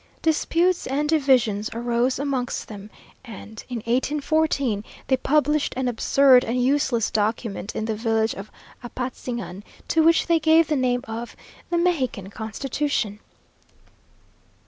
Disputes and divisions arose amongst them; and, in 1814, they published an absurd and useless document in the village of Apatzingan, to which they gave the name of the "Mexican Constitution."